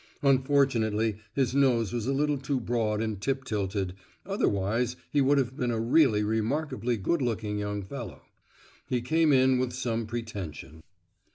Unfortunately his nose was a little too broad and tip tilted, otherwise he would have been a really remarkably good looking young fellow.—He came in with some pretension.